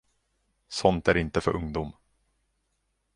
Sånt är inte för ungdom.